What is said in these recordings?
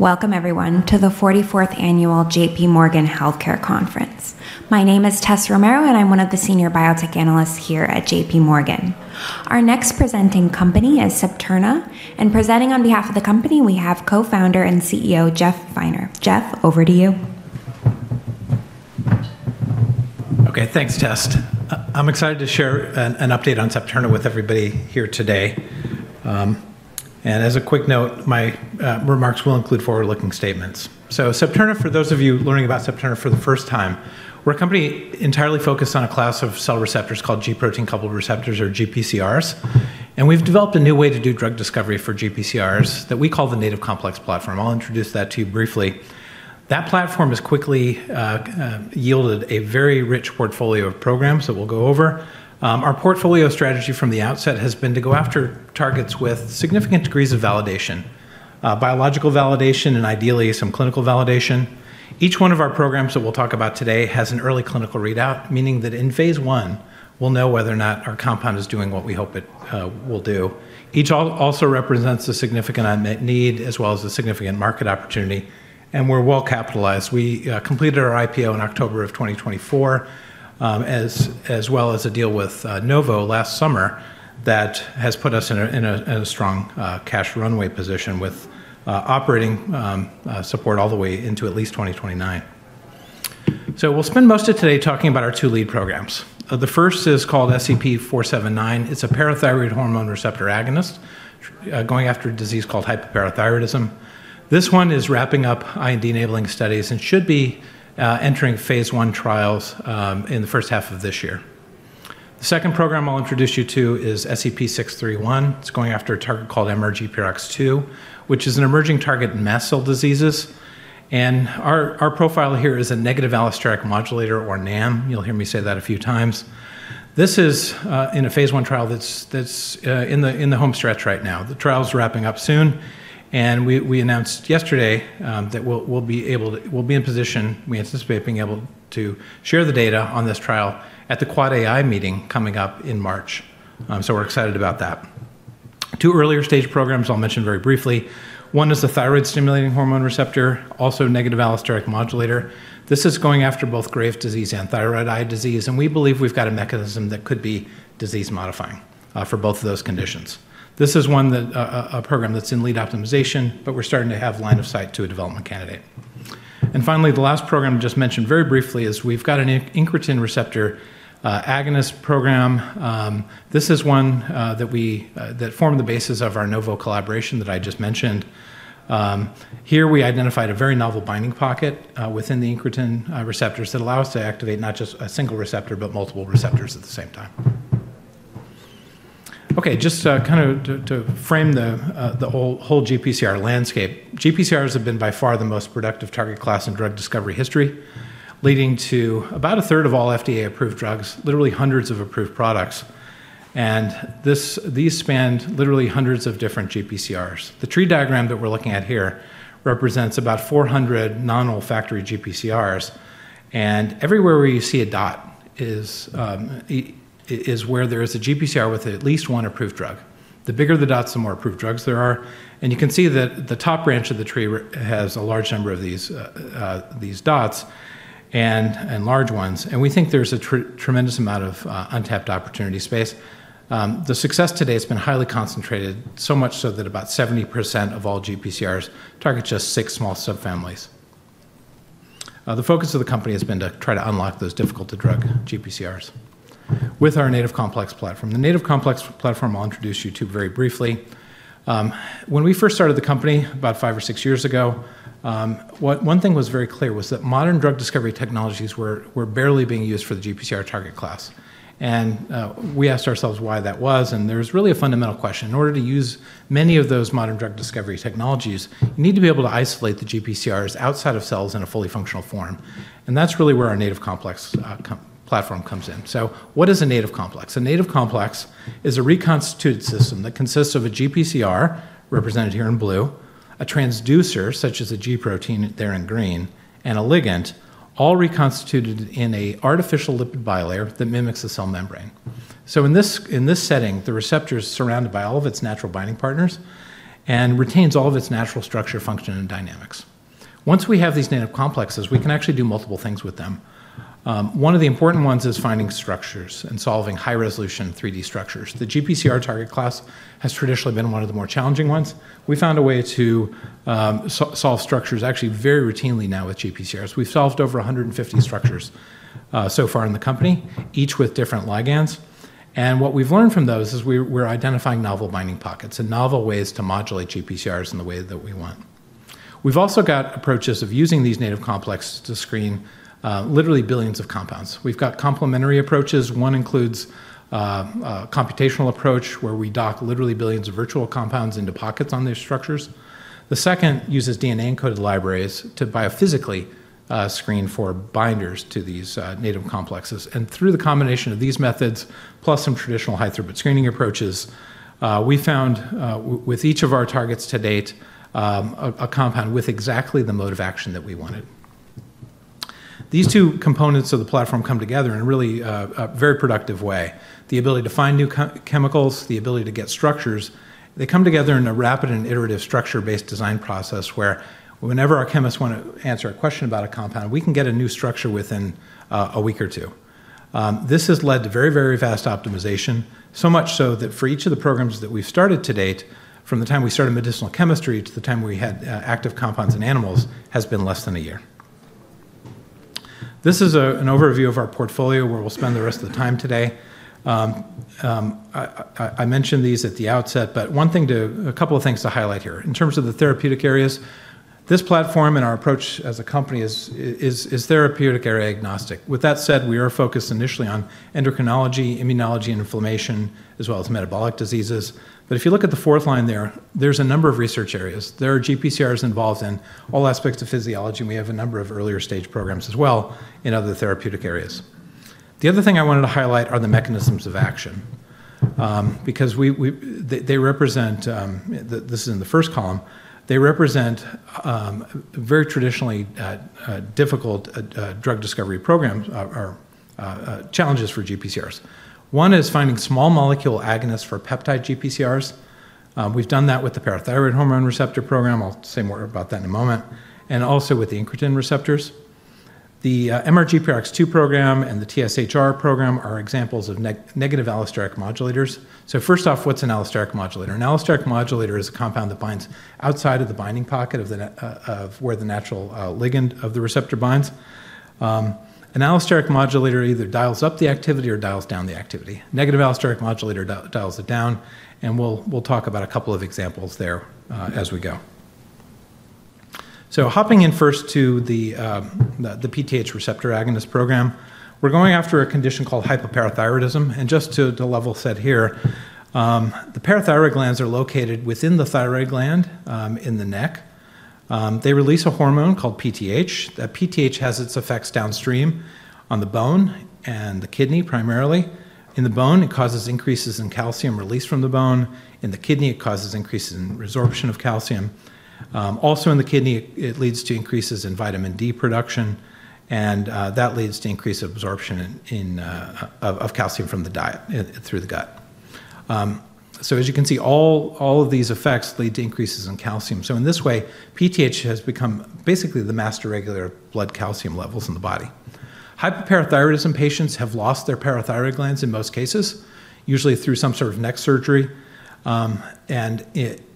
Welcome, everyone, to the 44th Annual JPMorgan Healthcare Conference. My name is Tess Romero, and I'm one of the Senior Biotech Analysts here at JPMorgan. Our next presenting company is Septerna, and presenting on behalf of the company, we have co-founder and CEO Jeff Finer. Jeff, over to you. Okay, thanks, Tess. I'm excited to share an update on Septerna with everybody here today, and as a quick note, my remarks will include forward-looking statements, so Septerna, for those of you learning about Septerna for the first time, we're a company entirely focused on a class of cell receptors called G protein-coupled receptors, or GPCRs, and we've developed a new way to do drug discovery for GPCRs that we call the Native Complex Platform. I'll introduce that to you briefly. That platform has quickly yielded a very rich portfolio of programs that we'll go over. Our portfolio strategy from the outset has been to go after targets with significant degrees of validation: biological validation and ideally some clinical validation. Each one of our programs that we'll talk about today has an early clinical readout, meaning that in phase I, we'll know whether or not our compound is doing what we hope it will do. Each also represents a significant unmet need as well as a significant market opportunity, and we're well capitalized. We completed our IPO in October of 2024, as well as a deal with Novo last summer that has put us in a strong cash runway position with operating support all the way into at least 2029. So we'll spend most of today talking about our two lead programs. The first is called SEP-479. It's a parathyroid hormone receptor agonist going after a disease called hypoparathyroidism. This one is wrapping up IND-enabling studies and should be entering phase I trials in the first half of this year. The second program I'll introduce you to is SEP-631. It's going after a target called MRGPRX2, which is an emerging target in mast cell diseases, and our profile here is a negative allosteric modulator, or NAM. You'll hear me say that a few times. This is in a phase I trial that's in the home stretch right now. The trial's wrapping up soon, and we announced yesterday that we'll be in position, we anticipate being able to share the data on this trial at the AAAAI meeting coming up in March, so we're excited about that. Two earlier stage programs I'll mention very briefly. One is a thyroid-stimulating hormone receptor, also a negative allosteric modulator. This is going after both Graves' disease and thyroid eye disease, and we believe we've got a mechanism that could be disease-modifying for both of those conditions. This is a program that's in lead optimization, but we're starting to have line of sight to a development candidate, and finally, the last program I just mentioned very briefly is we've got an incretin receptor agonist program. This is one that formed the basis of our Novo collaboration that I just mentioned. Here we identified a very novel binding pocket within the incretin receptors that allow us to activate not just a single receptor, but multiple receptors at the same time. Okay, just kind of to frame the whole GPCR landscape, GPCRs have been by far the most productive target class in drug discovery history, leading to about a third of all FDA-approved drugs, literally hundreds of approved products, and these span literally hundreds of different GPCRs. The tree diagram that we're looking at here represents about 400 non-olfactory GPCRs, and everywhere where you see a dot is where there is a GPCR with at least one approved drug. The bigger the dots, the more approved drugs there are. And you can see that the top branch of the tree has a large number of these dots and large ones. And we think there's a tremendous amount of untapped opportunity space. The success today has been highly concentrated, so much so that about 70% of all GPCRs target just six small subfamilies. The focus of the company has been to try to unlock those difficult-to-drug GPCRs with our Native Complex Platform. The Native Complex Platform I'll introduce you to very briefly. When we first started the company about five or six years ago, one thing was very clear: modern drug discovery technologies were barely being used for the GPCR target class. And we asked ourselves why that was, and there was really a fundamental question. In order to use many of those modern drug discovery technologies, you need to be able to isolate the GPCRs outside of cells in a fully functional form. And that's really where our Native Complex Platform comes in. So what is a Native Complex? A Native Complex is a reconstituted system that consists of a GPCR, represented here in blue, a transducer such as a G protein there in green, and a ligand, all reconstituted in an artificial lipid bilayer that mimics a cell membrane. So in this setting, the receptor is surrounded by all of its natural binding partners and retains all of its natural structure, function, and dynamics. Once we have these Native Complexes, we can actually do multiple things with them. One of the important ones is finding structures and solving high-resolution 3D structures. The GPCR target class has traditionally been one of the more challenging ones. We found a way to solve structures actually very routinely now with GPCRs. We've solved over 150 structures so far in the company, each with different ligands. And what we've learned from those is we're identifying novel binding pockets and novel ways to modulate GPCRs in the way that we want. We've also got approaches of using these Native Complexes to screen literally billions of compounds. We've got complementary approaches. One includes a computational approach where we dock literally billions of virtual compounds into pockets on these structures. The second uses DNA-encoded libraries to biophysically screen for binders to these Native Complexes. And through the combination of these methods, plus some traditional high-throughput screening approaches, we found with each of our targets to date a compound with exactly the mode of action that we wanted. These two components of the platform come together in a really very productive way: the ability to find new chemicals, the ability to get structures. They come together in a rapid and iterative structure-based design process where whenever our chemists want to answer a question about a compound, we can get a new structure within a week or two. This has led to very, very fast optimization, so much so that for each of the programs that we've started to date, from the time we started medicinal chemistry to the time we had active compounds in animals, has been less than a year. This is an overview of our portfolio where we'll spend the rest of the time today. I mentioned these at the outset, but a couple of things to highlight here. In terms of the therapeutic areas, this platform and our approach as a company is therapeutic area agnostic. With that said, we are focused initially on endocrinology, immunology, and inflammation, as well as metabolic diseases. But if you look at the fourth line there, there's a number of research areas. There are GPCRs involved in all aspects of physiology, and we have a number of earlier stage programs as well in other therapeutic areas. The other thing I wanted to highlight are the mechanisms of action, because they represent, this is in the first column, they represent very traditionally difficult drug discovery programs or challenges for GPCRs. One is finding small molecule agonists for peptide GPCRs. We've done that with the parathyroid hormone receptor program. I'll say more about that in a moment. And also with the incretin receptors. The MRGPRX2 program and the TSHR program are examples of negative allosteric modulators. So first off, what's an allosteric modulator? An allosteric modulator is a compound that binds outside of the binding pocket of where the natural ligand of the receptor binds. An allosteric modulator either dials up the activity or dials down the activity. Negative allosteric modulator dials it down, and we'll talk about a couple of examples there as we go. So hopping in first to the PTH receptor agonist program, we're going after a condition called hypoparathyroidism. And just to level set here, the parathyroid glands are located within the thyroid gland in the neck. They release a hormone called PTH. That PTH has its effects downstream on the bone and the kidney primarily. In the bone, it causes increases in calcium released from the bone. In the kidney, it causes increases in resorption of calcium. Also in the kidney, it leads to increases in vitamin D production, and that leads to increased absorption of calcium from the diet through the gut. So as you can see, all of these effects lead to increases in calcium. So in this way, PTH has become basically the master regulator of blood calcium levels in the body. Hypoparathyroidism patients have lost their parathyroid glands in most cases, usually through some sort of neck surgery, and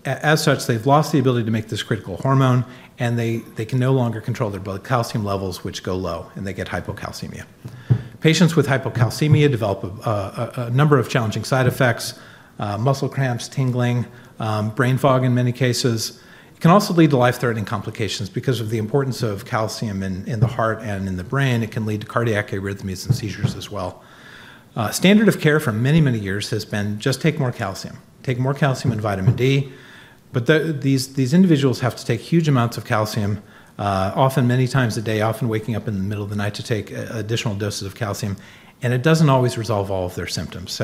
as such, they've lost the ability to make this critical hormone, and they can no longer control their blood calcium levels, which go low, and they get hypocalcemia. Patients with hypocalcemia develop a number of challenging side effects: muscle cramps, tingling, brain fog in many cases. It can also lead to life-threatening complications because of the importance of calcium in the heart and in the brain. It can lead to cardiac arrhythmias and seizures as well. Standard of care for many, many years has been just take more calcium, take more calcium and vitamin D. But these individuals have to take huge amounts of calcium, often many times a day, often waking up in the middle of the night to take additional doses of calcium, and it doesn't always resolve all of their symptoms.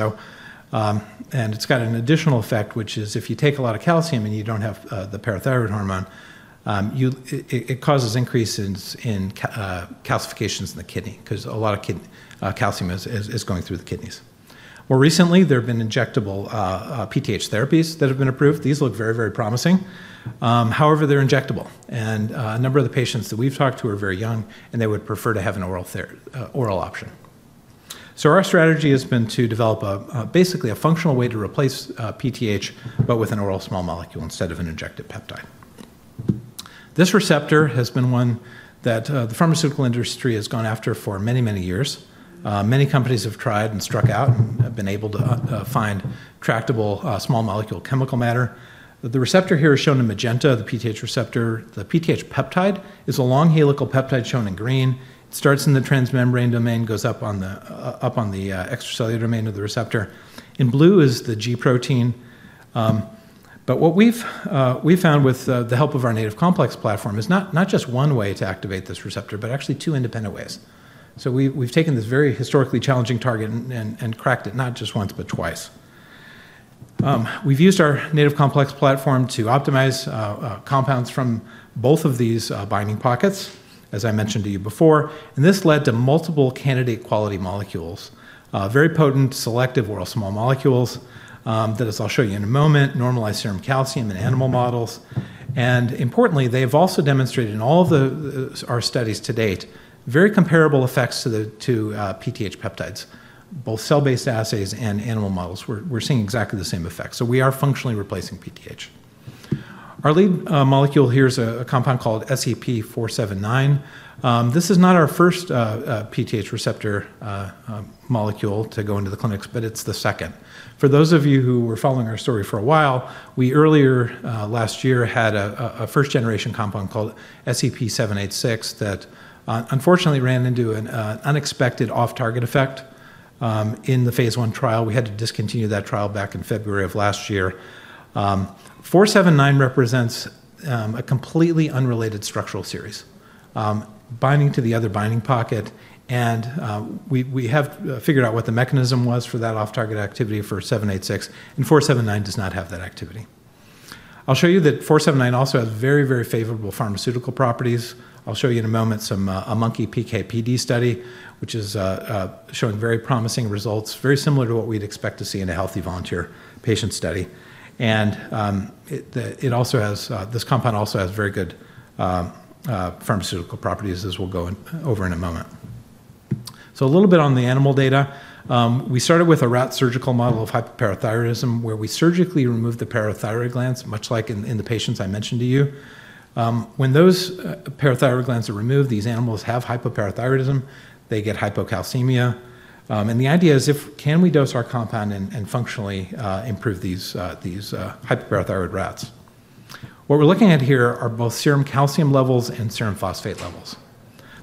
And it's got an additional effect, which is if you take a lot of calcium and you don't have the parathyroid hormone, it causes increases in calcifications in the kidney because a lot of calcium is going through the kidneys. More recently, there have been injectable PTH therapies that have been approved. These look very, very promising. However, they're injectable, and a number of the patients that we've talked to are very young, and they would prefer to have an oral option. So our strategy has been to develop basically a functional way to replace PTH, but with an oral small molecule instead of an injected peptide. This receptor has been one that the pharmaceutical industry has gone after for many, many years. Many companies have tried and struck out and have been able to find tractable small molecule chemical matter. The receptor here is shown in magenta, the PTH receptor. The PTH peptide is a long helical peptide shown in green. It starts in the transmembrane domain, goes up on the extracellular domain of the receptor. In blue is the G protein. But what we've found with the help of our Native Complex Platform is not just one way to activate this receptor, but actually two independent ways. So we've taken this very historically challenging target and cracked it not just once, but twice. We've used our Native Complex Platform to optimize compounds from both of these binding pockets, as I mentioned to you before. This led to multiple candidate quality molecules, very potent selective oral small molecules that, as I'll show you in a moment, normalize serum calcium in animal models. Importantly, they have also demonstrated in all of our studies to date very comparable effects to PTH peptides, both cell-based assays and animal models. We're seeing exactly the same effects. We are functionally replacing PTH. Our lead molecule here is a compound called SEP-479. This is not our first PTH receptor molecule to go into the clinics, but it's the second. For those of you who were following our story for a while, we earlier last year had a first-generation compound called SEP-786 that unfortunately ran into an unexpected off-target effect in the phase I trial. We had to discontinue that trial back in February of last year. 479 represents a completely unrelated structural series, binding to the other binding pocket, and we have figured out what the mechanism was for that off-target activity for 786, and 479 does not have that activity. I'll show you that 479 also has very, very favorable pharmaceutical properties. I'll show you in a moment a monkey PK/PD study, which is showing very promising results, very similar to what we'd expect to see in a healthy volunteer patient study, and this compound also has very good pharmaceutical properties, as we'll go over in a moment, so a little bit on the animal data. We started with a rat surgical model of hypoparathyroidism where we surgically removed the parathyroid glands, much like in the patients I mentioned to you. When those parathyroid glands are removed, these animals have hypoparathyroidism. They get hypocalcemia. And the idea is, can we dose our compound and functionally improve these hypoparathyroid rats? What we're looking at here are both serum calcium levels and serum phosphate levels.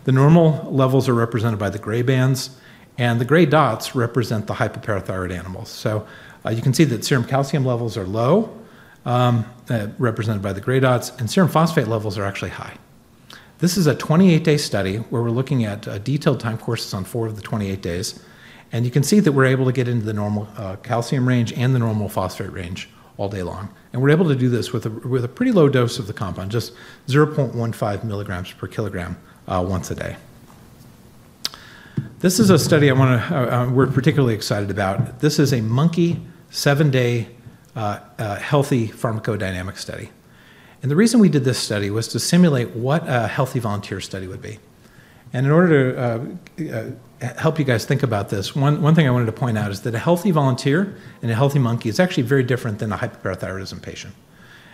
The normal levels are represented by the gray bands, and the gray dots represent the hypoparathyroid animals. So you can see that serum calcium levels are low, represented by the gray dots, and serum phosphate levels are actually high. This is a 28-day study where we're looking at detailed time courses on four of the 28 days. And you can see that we're able to get into the normal calcium range and the normal phosphate range all day long. And we're able to do this with a pretty low dose of the compound, just 0.15 milligrams per kilogram once a day. This is a study we're particularly excited about. This is a monkey seven-day healthy pharmacodynamic study. The reason we did this study was to simulate what a healthy volunteer study would be. In order to help you guys think about this, one thing I wanted to point out is that a healthy volunteer and a healthy monkey is actually very different than a hypoparathyroidism patient.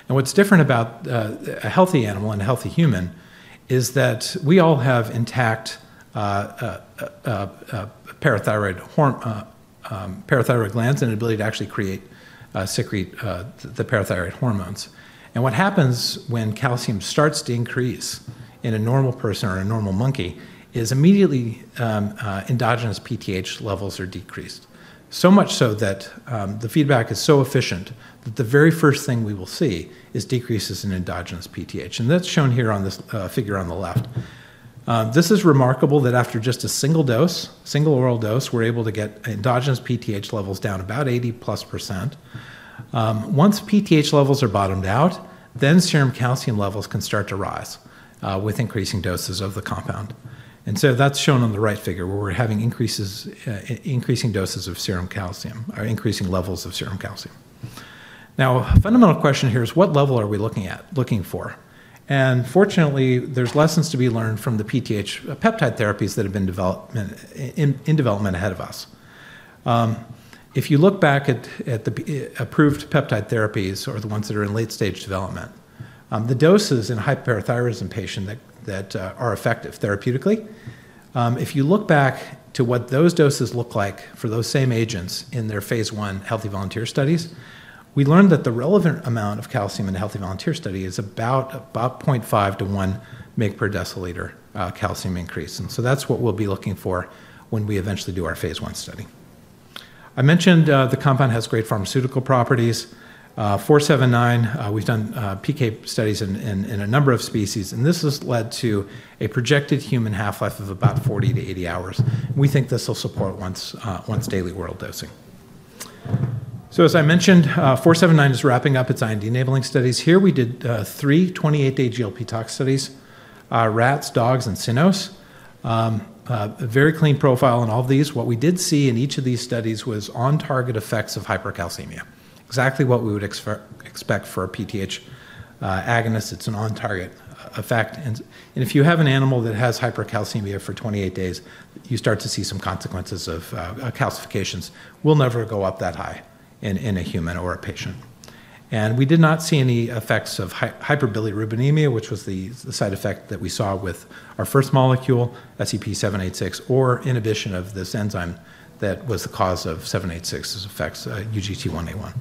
What's different about a healthy animal and a healthy human is that we all have intact parathyroid glands and the ability to actually secrete the parathyroid hormones. What happens when calcium starts to increase in a normal person or a normal monkey is immediately endogenous PTH levels are decreased, so much so that the feedback is so efficient that the very first thing we will see is decreases in endogenous PTH. That's shown here on this figure on the left. This is remarkable that after just a single dose, single oral dose, we're able to get endogenous PTH levels down about 80%+. Once PTH levels are bottomed out, then serum calcium levels can start to rise with increasing doses of the compound, and so that's shown on the right figure where we're having increasing doses of serum calcium or increasing levels of serum calcium. Now, a fundamental question here is, what level are we looking at, looking for? And fortunately, there's lessons to be learned from the PTH peptide therapies that have been in development ahead of us. If you look back at the approved peptide therapies or the ones that are in late-stage development, the doses in a hypoparathyroidism patient that are effective therapeutically, if you look back to what those doses look like for those same agents in their phase I healthy volunteer studies, we learned that the relevant amount of calcium in a healthy volunteer study is about 0.5-1 mg/dL calcium increase. And so that's what we'll be looking for when we eventually do our phase I study. I mentioned the compound has great pharmaceutical properties. 479, we've done PK studies in a number of species, and this has led to a projected human half-life of about 40-80 hours. We think this will support once-daily oral dosing. So as I mentioned, 479 is wrapping up its IND-enabling studies. Here, we did three 28-day GLP tox studies: rats, dogs, and cynos. Very clean profile in all of these. What we did see in each of these studies was on-target effects of hypercalcemia, exactly what we would expect for a PTH agonist. It's an on-target effect. And if you have an animal that has hypercalcemia for 28 days, you start to see some consequences of calcifications. We'll never go up that high in a human or a patient. And we did not see any effects of hyperbilirubinemia, which was the side effect that we saw with our first molecule, SEP-786, or inhibition of this enzyme that was the cause of 786's effects, UGT1A1.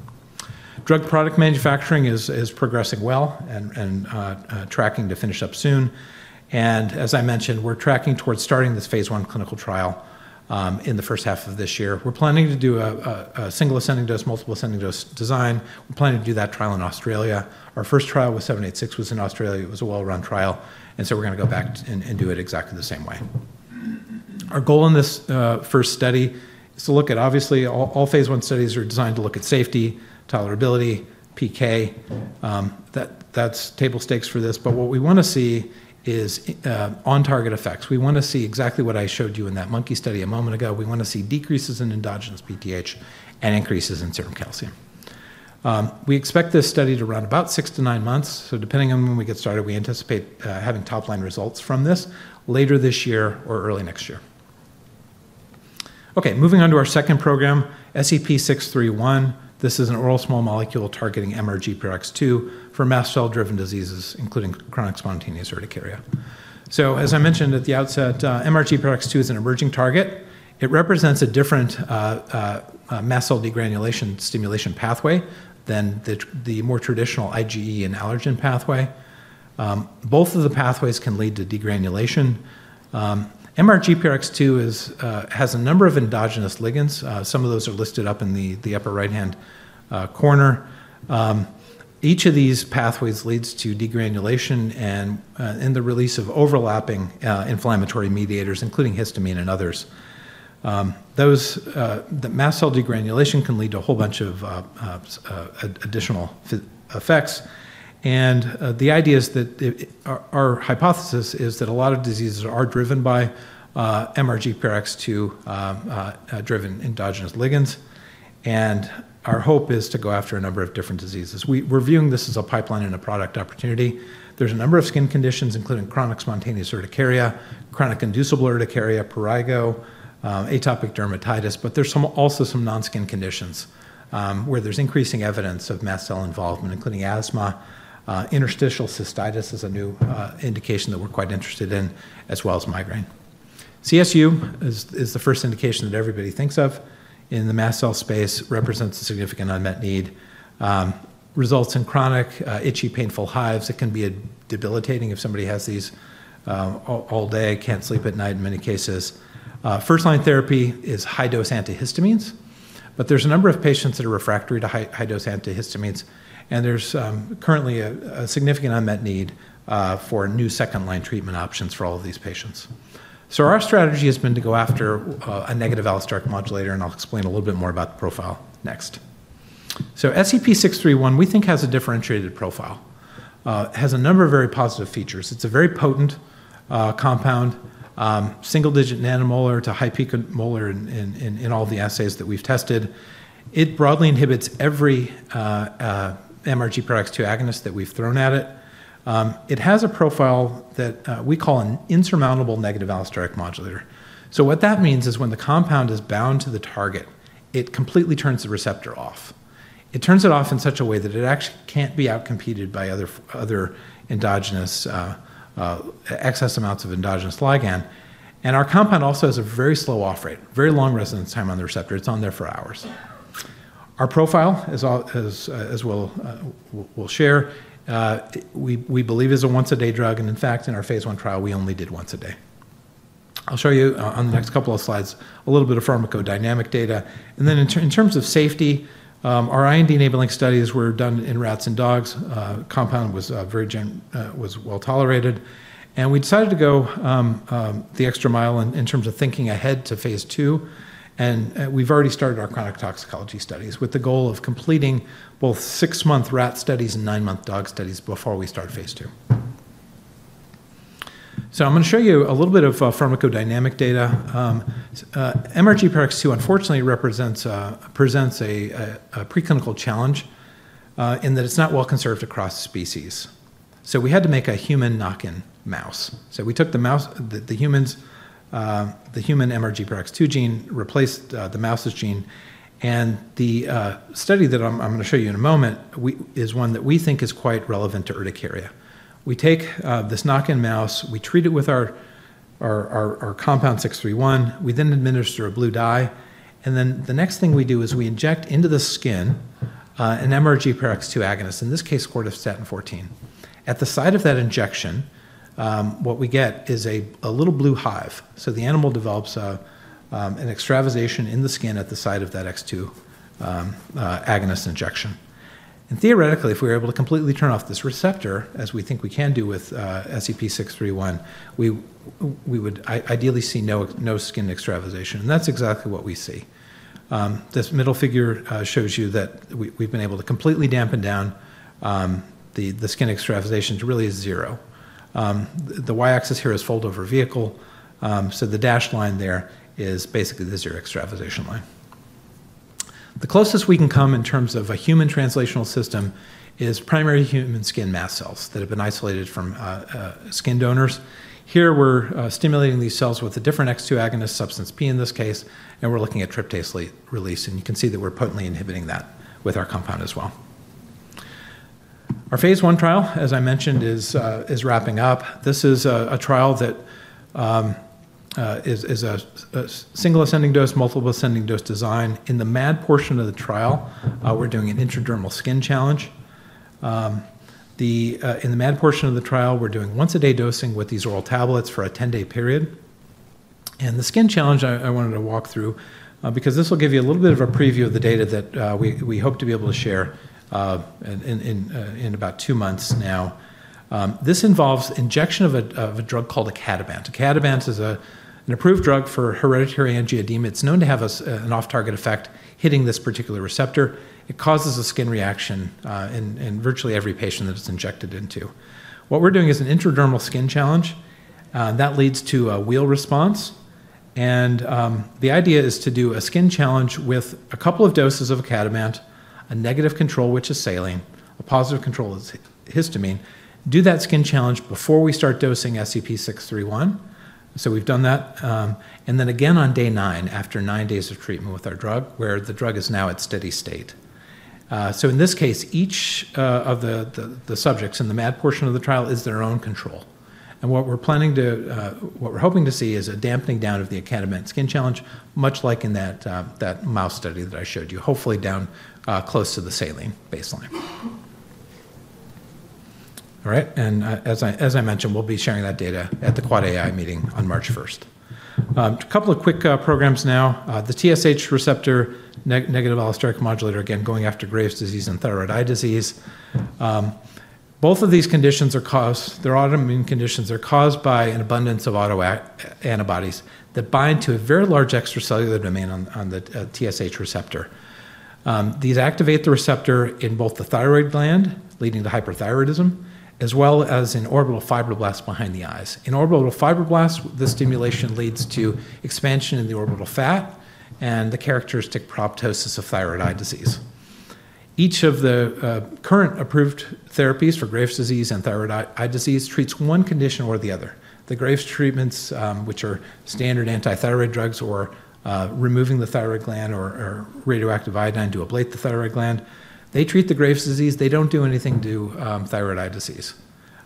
Drug product manufacturing is progressing well and tracking to finish up soon. And as I mentioned, we're tracking towards starting this phase I clinical trial in the first half of this year. We're planning to do a single ascending dose, multiple ascending dose design. We're planning to do that trial in Australia. Our first trial with 786 was in Australia. It was a well-run trial. And so we're going to go back and do it exactly the same way. Our goal in this first study is to look at, obviously, all phase I studies are designed to look at safety, tolerability, PK. That's table stakes for this. But what we want to see is on-target effects. We want to see exactly what I showed you in that monkey study a moment ago. We want to see decreases in endogenous PTH and increases in serum calcium. We expect this study to run about six to nine months. So depending on when we get started, we anticipate having top-line results from this later this year or early next year. Okay, moving on to our second program, SEP-631. This is an oral small molecule targeting MRGPRX2 for mast cell-driven diseases, including chronic spontaneous urticaria. So as I mentioned at the outset, MRGPRX2 is an emerging target. It represents a different mast cell degranulation stimulation pathway than the more traditional IgE and allergen pathway. Both of the pathways can lead to degranulation. MRGPRX2 has a number of endogenous ligands. Some of those are listed up in the upper right-hand corner. Each of these pathways leads to degranulation and the release of overlapping inflammatory mediators, including histamine and others. The mast cell degranulation can lead to a whole bunch of additional effects. And the idea is that our hypothesis is that a lot of diseases are driven by MRGPRX2-driven endogenous ligands. And our hope is to go after a number of different diseases. We're viewing this as a pipeline and a product opportunity. There's a number of skin conditions, including chronic spontaneous urticaria, chronic inducible urticaria, prurigo, atopic dermatitis, but there's also some non-skin conditions where there's increasing evidence of mast cell involvement, including asthma. Interstitial cystitis is a new indication that we're quite interested in, as well as migraine. CSU is the first indication that everybody thinks of in the mast cell space, represents a significant unmet need, results in chronic itchy, painful hives. It can be debilitating if somebody has these all day, can't sleep at night in many cases. First-line therapy is high-dose antihistamines, but there's a number of patients that are refractory to high-dose antihistamines, and there's currently a significant unmet need for new second-line treatment options for all of these patients. So our strategy has been to go after a negative allosteric modulator, and I'll explain a little bit more about the profile next. SEP-631, we think, has a differentiated profile, has a number of very positive features. It's a very potent compound, single-digit nanomolar to high picomolar in all the assays that we've tested. It broadly inhibits every MRGPRX2 agonist that we've thrown at it. It has a profile that we call an insurmountable negative allosteric modulator. What that means is when the compound is bound to the target, it completely turns the receptor off. It turns it off in such a way that it actually can't be outcompeted by other excess amounts of endogenous ligand. And our compound also has a very slow off-rate, very long residence time on the receptor. It's on there for hours. Our profile, as we'll share, we believe is a once-a-day drug. And in fact, in our phase I trial, we only did once a day. I'll show you on the next couple of slides a little bit of pharmacodynamic data. And then in terms of safety, our IND-enabling studies were done in rats and dogs. Compound was well tolerated. And we decided to go the extra mile in terms of thinking ahead to phase II. And we've already started our chronic toxicology studies with the goal of completing both six-month rat studies and nine-month dog studies before we start phase II. So I'm going to show you a little bit of pharmacodynamic data. MRGPRX2, unfortunately, presents a preclinical challenge in that it's not well conserved across species. So we had to make a human knock-in mouse. So we took the human MRGPRX2 gene, replaced the mouse's gene. And the study that I'm going to show you in a moment is one that we think is quite relevant to urticaria. We take this knock-in mouse, we treat it with our compound 631, we then administer a blue dye, and then the next thing we do is we inject into the skin an MRGPRX2 agonist, in this case, Cortistatin-14. At the site of that injection, what we get is a little blue hive, so the animal develops an extravasation in the skin at the site of that X2 agonist injection, and theoretically, if we were able to completely turn off this receptor, as we think we can do with SEP-631, we would ideally see no skin extravasation, and that's exactly what we see. This middle figure shows you that we've been able to completely dampen down the skin extravasation to really zero. The y-axis here is fold-over vehicle, so the dashed line there is basically the zero extravasation line. The closest we can come in terms of a human translational system is primary human skin mast cells that have been isolated from skin donors. Here, we're stimulating these cells with a different X2 agonist, substance P in this case, and we're looking at tryptase release, and you can see that we're potently inhibiting that with our compound as well. Our phase I trial, as I mentioned, is wrapping up. This is a trial that is a single ascending dose, multiple ascending dose design. In the MAD portion of the trial, we're doing an intradermal skin challenge. In the MAD portion of the trial, we're doing once-a-day dosing with these oral tablets for a 10-day period. The skin challenge I wanted to walk through, because this will give you a little bit of a preview of the data that we hope to be able to share in about two months now. This involves injection of a drug called icatibant. Icatibant is an approved drug for hereditary angioedema. It's known to have an off-target effect hitting this particular receptor. It causes a skin reaction in virtually every patient that it's injected into. What we're doing is an intradermal skin challenge. That leads to a wheal response. The idea is to do a skin challenge with a couple of doses of icatibant, a negative control, which is saline, a positive control, which is histamine. Do that skin challenge before we start dosing SEP-631. We've done that. Then again on day nine, after nine days of treatment with our drug, where the drug is now at steady state. So in this case, each of the subjects in the MAD portion of the trial is their own control. And what we're hoping to see is a dampening down of the icatibant skin challenge, much like in that mouse study that I showed you, hopefully down close to the saline baseline. All right. And as I mentioned, we'll be sharing that data at the AAAAI meeting on March 1st. A couple of quick programs now. The TSH receptor negative allosteric modulator, again, going after Graves' disease and thyroid eye disease. Both of these conditions are autoimmune conditions caused by an abundance of autoantibodies that bind to a very large extracellular domain on the TSH receptor. These activate the receptor in both the thyroid gland, leading to hyperthyroidism, as well as in orbital fibroblasts behind the eyes. In orbital fibroblasts, this stimulation leads to expansion in the orbital fat and the characteristic proptosis of thyroid eye disease. Each of the current approved therapies for Graves' disease and thyroid eye disease treats one condition or the other. The Graves' treatments, which are standard anti-thyroid drugs or removing the thyroid gland or radioactive iodine to ablate the thyroid gland, they treat the Graves' disease. They don't do anything to thyroid eye disease.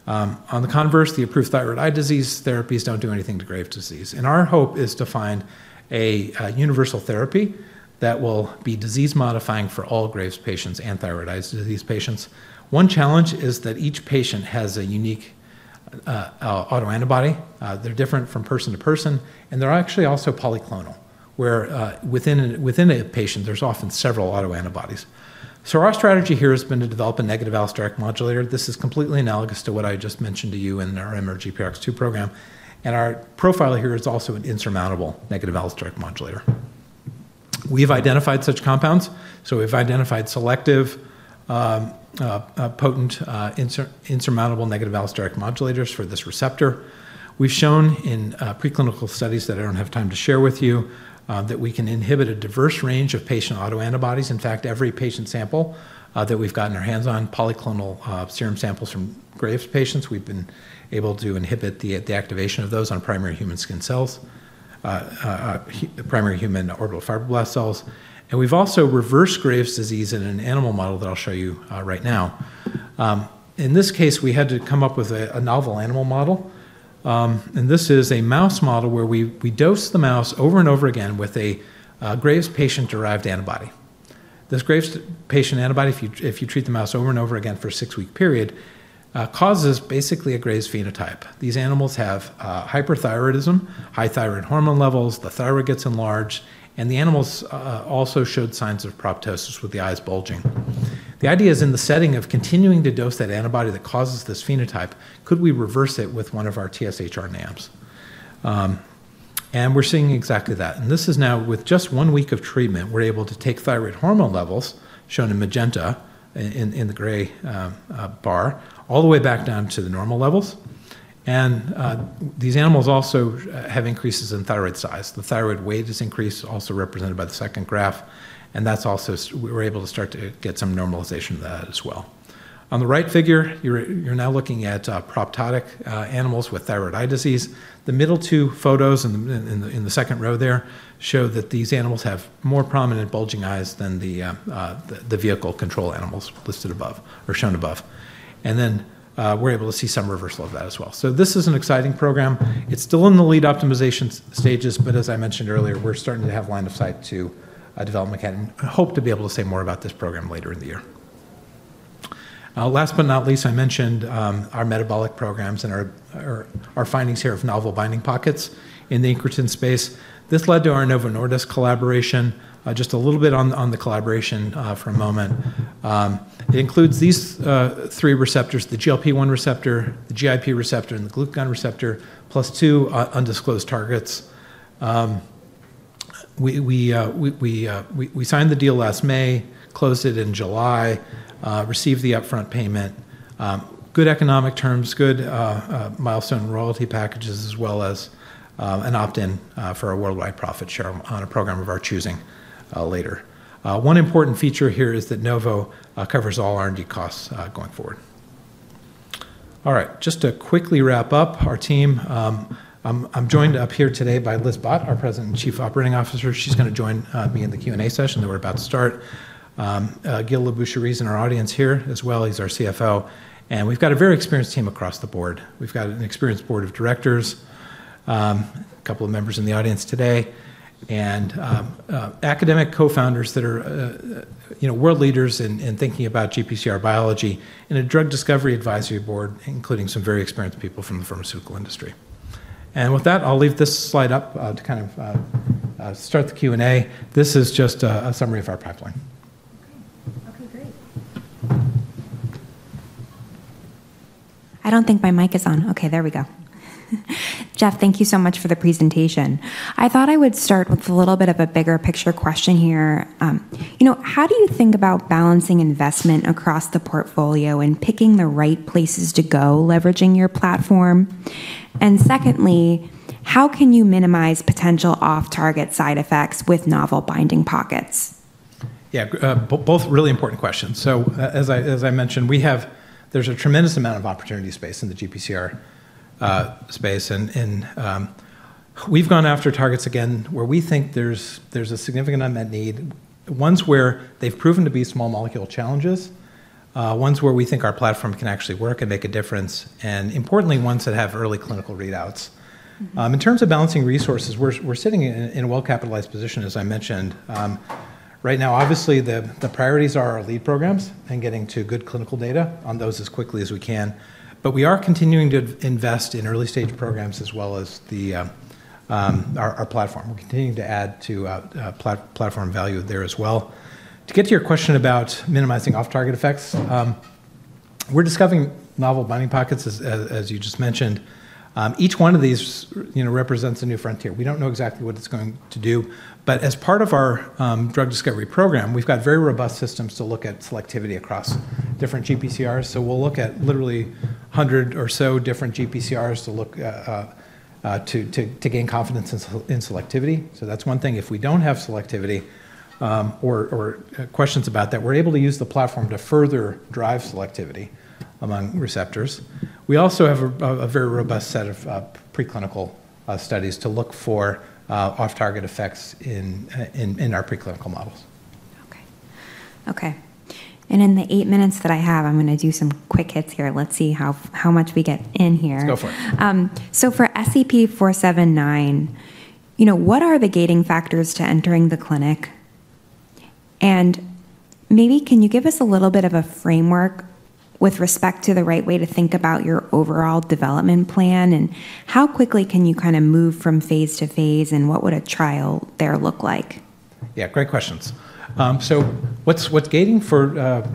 On the converse, the approved thyroid eye disease therapies don't do anything to Graves' disease, and our hope is to find a universal therapy that will be disease-modifying for all Graves' patients and thyroid eye disease patients. One challenge is that each patient has a unique autoantibody. They're different from person to person. They're actually also polyclonal, where within a patient, there's often several autoantibodies. Our strategy here has been to develop a negative TSHR modulator. This is completely analogous to what I just mentioned to you in our MRGPRX2 program. Our profile here is also an insurmountable negative TSHR modulator. We've identified such compounds. We've identified selective, potent, insurmountable negative TSHR modulators for this receptor. We've shown in preclinical studies that I don't have time to share with you that we can inhibit a diverse range of patient autoantibodies. In fact, every patient sample that we've gotten our hands on, polyclonal serum samples from Graves' patients, we've been able to inhibit the activation of those on primary human skin cells, primary human orbital fibroblast cells. We've also reversed Graves' disease in an animal model that I'll show you right now. In this case, we had to come up with a novel animal model. And this is a mouse model where we dose the mouse over and over again with a Graves' patient-derived antibody. This Graves' patient antibody, if you treat the mouse over and over again for a six-week period, causes basically a Graves' phenotype. These animals have hyperthyroidism, high thyroid hormone levels, the thyroid gets enlarged, and the animals also showed signs of proptosis with the eyes bulging. The idea is in the setting of continuing to dose that antibody that causes this phenotype, could we reverse it with one of our TSHR NAMs? And we're seeing exactly that. And this is now, with just one week of treatment, we're able to take thyroid hormone levels shown in magenta in the gray bar all the way back down to the normal levels. These animals also have increases in thyroid size. The thyroid weight is increased, also represented by the second graph. That's also where we're able to start to get some normalization of that as well. On the right figure, you're now looking at proptotic animals with thyroid eye disease. The middle two photos in the second row there show that these animals have more prominent bulging eyes than the vehicle control animals listed above or shown above. We're able to see some reversal of that as well. This is an exciting program. It's still in the lead optimization stages, but as I mentioned earlier, we're starting to have line of sight to develop mechanics. I hope to be able to say more about this program later in the year. Last but not least, I mentioned our metabolic programs and our findings here of novel binding pockets in the incretin space. This led to our Novo Nordisk collaboration. Just a little bit on the collaboration for a moment. It includes these three receptors: the GLP-1 receptor, the GIP receptor, and the glucagon receptor, plus two undisclosed targets. We signed the deal last May, closed it in July, received the upfront payment. Good economic terms, good milestone royalty packages, as well as an opt-in for a worldwide profit share on a program of our choosing later. One important feature here is that Novo covers all R&D costs going forward. All right. Just to quickly wrap up our team, I'm joined up here today by Liz Bhatt, our President and Chief Operating Officer. She's going to join me in the Q&A session that we're about to start. Gil Labrucherie is in our audience here, as well as our CFO. And we've got a very experienced team across the board. We've got an experienced board of directors, a couple of members in the audience today, and academic co-founders that are world leaders in thinking about GPCR biology and a drug discovery advisory board, including some very experienced people from the pharmaceutical industry. And with that, I'll leave this slide up to kind of start the Q&A. This is just a summary of our pipeline. Okay. Okay, great. I don't think my mic is on. Okay, there we go. Jeff, thank you so much for the presentation. I thought I would start with a little bit of a bigger picture question here. How do you think about balancing investment across the portfolio and picking the right places to go leveraging your platform? And secondly, how can you minimize potential off-target side effects with novel binding pockets? Yeah, both really important questions. So as I mentioned, there's a tremendous amount of opportunity space in the GPCR space. And we've gone after targets again where we think there's a significant unmet need. Ones where they've proven to be small molecule challenges, ones where we think our platform can actually work and make a difference, and importantly, ones that have early clinical readouts. In terms of balancing resources, we're sitting in a well-capitalized position, as I mentioned. Right now, obviously, the priorities are our lead programs and getting to good clinical data on those as quickly as we can. But we are continuing to invest in early stage programs as well as our platform. We're continuing to add to platform value there as well. To get to your question about minimizing off-target effects, we're discovering novel binding pockets, as you just mentioned. Each one of these represents a new frontier. We don't know exactly what it's going to do. But as part of our drug discovery program, we've got very robust systems to look at selectivity across different GPCRs. So we'll look at literally 100 or so different GPCRs to gain confidence in selectivity. So that's one thing. If we don't have selectivity or questions about that, we're able to use the platform to further drive selectivity among receptors. We also have a very robust set of preclinical studies to look for off-target effects in our preclinical models. Okay. Okay. And in the eight minutes that I have, I'm going to do some quick hits here. Let's see how much we get in here. Go for it. So for SEP-479, what are the gating factors to entering the clinic? And maybe can you give us a little bit of a framework with respect to the right way to think about your overall development plan? And how quickly can you kind of move from phase to phase? And what would a trial there look like? Yeah, great questions. So what's gating for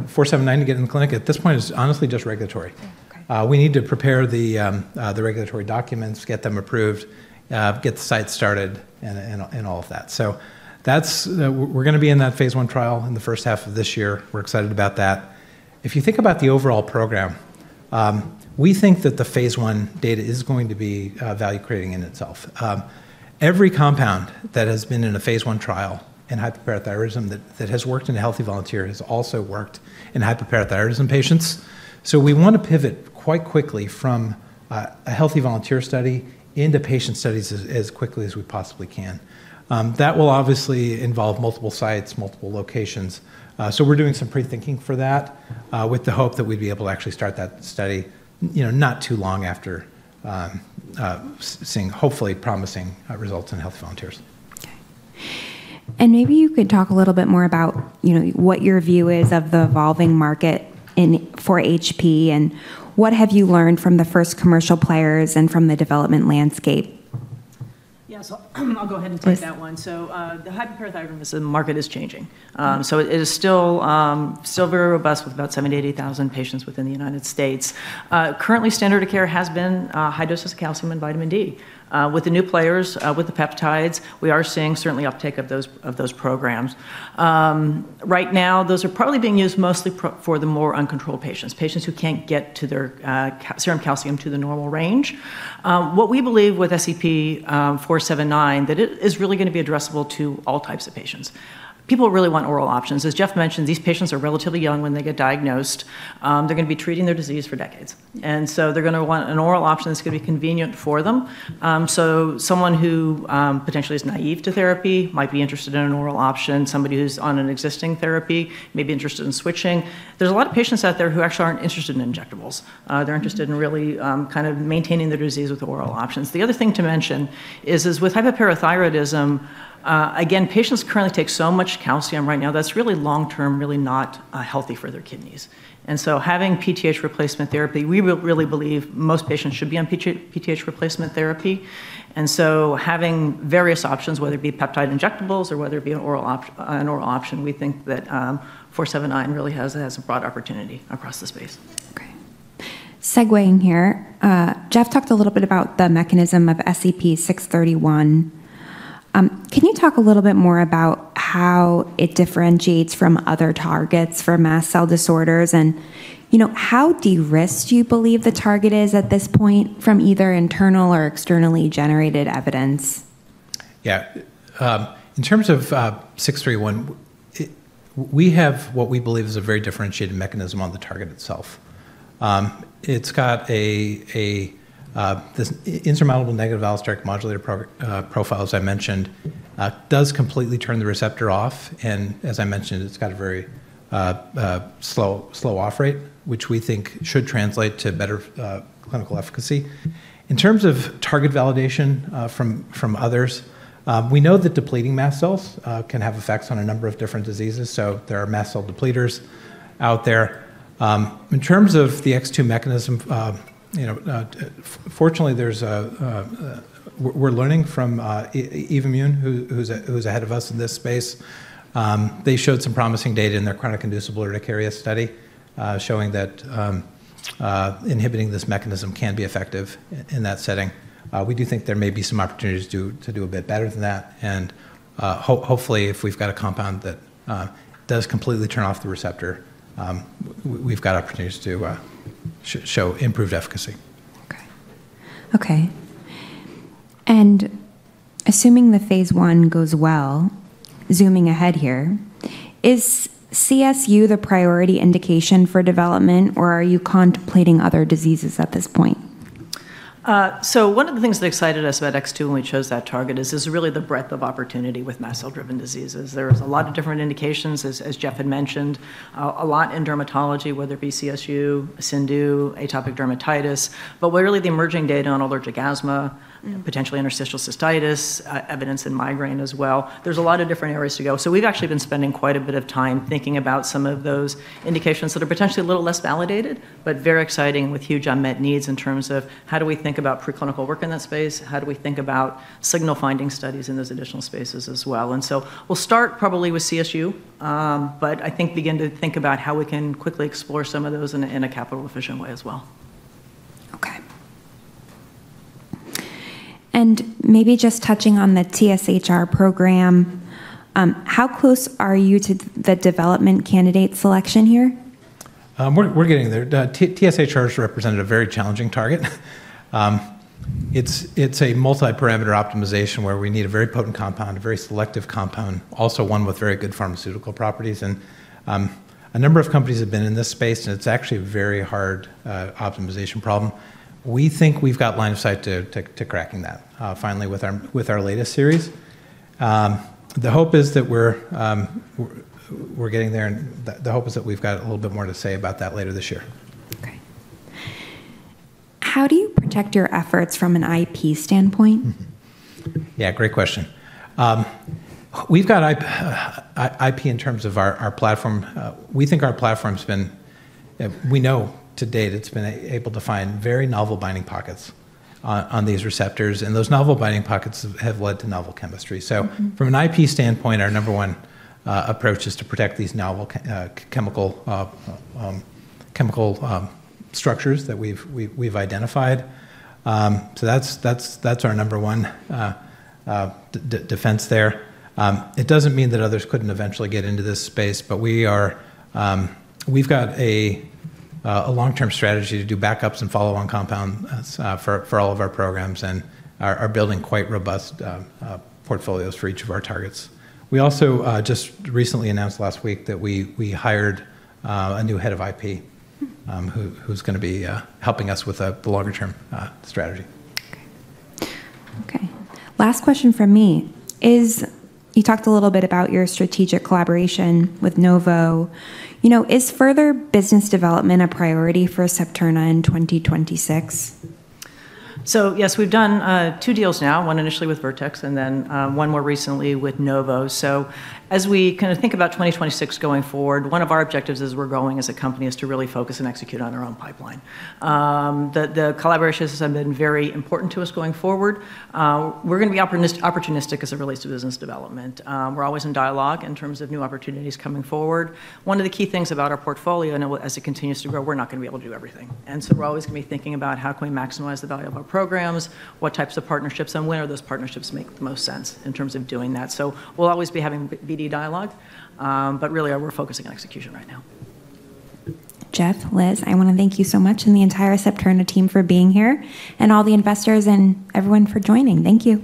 479 to get in the clinic at this point is honestly just regulatory. We need to prepare the regulatory documents, get them approved, get the site started, and all of that. So we're going to be in that phase I trial in the first half of this year. We're excited about that. If you think about the overall program, we think that the phase I data is going to be value-creating in itself. Every compound that has been in a phase I trial in hypoparathyroidism that has worked in a healthy volunteer has also worked in hypoparathyroidism patients. So we want to pivot quite quickly from a healthy volunteer study into patient studies as quickly as we possibly can. That will obviously involve multiple sites, multiple locations. We're doing some pre-thinking for that with the hope that we'd be able to actually start that study not too long after seeing hopefully promising results in healthy volunteers. Okay. And maybe you could talk a little bit more about what your view is of the evolving market for HP and what have you learned from the first commercial players and from the development landscape? Yeah, so I'll go ahead and take that one. So the hypoparathyroidism market is changing. So it is still very robust with about 70,000-80,000 patients within the United States. Currently, standard of care has been high doses of calcium and vitamin D. With the new players, with the peptides, we are seeing certainly uptake of those programs. Right now, those are probably being used mostly for the more uncontrolled patients, patients who can't get their serum calcium to the normal range. What we believe with SEP-479, that it is really going to be addressable to all types of patients. People really want oral options. As Jeff mentioned, these patients are relatively young when they get diagnosed. They're going to be treating their disease for decades. And so they're going to want an oral option that's going to be convenient for them. So someone who potentially is naive to therapy might be interested in an oral option. Somebody who's on an existing therapy may be interested in switching. There's a lot of patients out there who actually aren't interested in injectables. They're interested in really kind of maintaining their disease with oral options. The other thing to mention is with hypoparathyroidism. Again, patients currently take so much calcium right now that's really long-term really not healthy for their kidneys. And so having PTH replacement therapy, we really believe most patients should be on PTH replacement therapy. And so having various options, whether it be peptide injectables or whether it be an oral option, we think that 479 really has a broad opportunity across the space. Okay. Segueing here, Jeff talked a little bit about the mechanism of SEP-631. Can you talk a little bit more about how it differentiates from other targets for mast cell disorders? And how de-risked do you believe the target is at this point from either internal or externally generated evidence? Yeah. In terms of 631, we have what we believe is a very differentiated mechanism on the target itself. It's got this insurmountable negative allosteric modulator profile as I mentioned, does completely turn the receptor off. And as I mentioned, it's got a very slow off rate, which we think should translate to better clinical efficacy. In terms of target validation from others, we know that depleting mast cells can have effects on a number of different diseases. So there are mast cell depleters out there. In terms of the X2 mechanism, fortunately, we're learning from Evommune, who's ahead of us in this space. They showed some promising data in their chronic inducible urticaria study showing that inhibiting this mechanism can be effective in that setting. We do think there may be some opportunities to do a bit better than that. Hopefully, if we've got a compound that does completely turn off the receptor, we've got opportunities to show improved efficacy. Okay. Okay. And assuming the phase I goes well, zooming ahead here, is CSU the priority indication for development, or are you contemplating other diseases at this point? So one of the things that excited us about X2 when we chose that target is really the breadth of opportunity with mast cell-driven diseases. There is a lot of different indications, as Jeff had mentioned, a lot in dermatology, whether it be CSU, CIndU, atopic dermatitis, but really the emerging data on allergic asthma, potentially interstitial cystitis, evidence in migraine as well. There's a lot of different areas to go. So we've actually been spending quite a bit of time thinking about some of those indications that are potentially a little less validated, but very exciting with huge unmet needs in terms of how do we think about preclinical work in that space? How do we think about signal-finding studies in those additional spaces as well? And so we'll start probably with CSU, but I think begin to think about how we can quickly explore some of those in a capital-efficient way as well. Okay. And maybe just touching on the TSHR program, how close are you to the development candidate selection here? We're getting there. TSHR is represented a very challenging target. It's a multi-parameter optimization where we need a very potent compound, a very selective compound, also one with very good pharmaceutical properties. And a number of companies have been in this space, and it's actually a very hard optimization problem. We think we've got line of sight to cracking that finally with our latest series. The hope is that we're getting there, and the hope is that we've got a little bit more to say about that later this year. Okay. How do you protect your efforts from an IP standpoint? Yeah, great question. We've got IP in terms of our platform. We know to date it's been able to find very novel binding pockets on these receptors. And those novel binding pockets have led to novel chemistry. So from an IP standpoint, our number one approach is to protect these novel chemical structures that we've identified. So that's our number one defense there. It doesn't mean that others couldn't eventually get into this space, but we've got a long-term strategy to do backups and follow-on compounds for all of our programs and are building quite robust portfolios for each of our targets. We also just recently announced last week that we hired a new head of IP who's going to be helping us with the longer-term strategy. Okay. Okay. Last question from me. You talked a little bit about your strategic collaboration with Novo. Is further business development a priority for Septerna in 2026? Yes, we've done two deals now, one initially with Vertex and then one more recently with Novo. As we kind of think about 2026 going forward, one of our objectives as we're growing as a company is to really focus and execute on our own pipeline. The collaborations have been very important to us going forward. We're going to be opportunistic as it relates to business development. We're always in dialogue in terms of new opportunities coming forward. One of the key things about our portfolio, as it continues to grow, we're not going to be able to do everything. And so we're always going to be thinking about how can we maximize the value of our programs, what types of partnerships, and when are those partnerships make the most sense in terms of doing that. So we'll always be having BD dialogue, but really we're focusing on execution right now. Jeff, Liz, I want to thank you so much and the entire Septerna team for being here, and all the investors and everyone for joining. Thank you.